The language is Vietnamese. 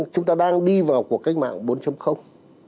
chúng ta đang đi vào cuộc cách mạng bốn